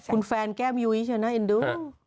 คุณแฟนแก้มยุ้ยใช่ไหมเอ็นดู